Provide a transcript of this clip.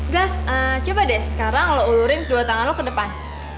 gas coba deh sekarang lo ulurin dua tangan lo ke depan